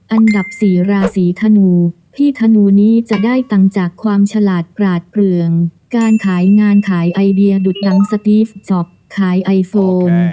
อันดับสี่ราศีธนูพี่ธนูนี้จะได้ตังค์จากความฉลาดกราดเปลืองการขายงานขายไอเดียดุดหนังสตีฟช็อปขายไอโฟน